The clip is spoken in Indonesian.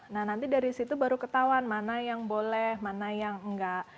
nah nanti dari situ baru ketahuan mana yang boleh mana yang enggak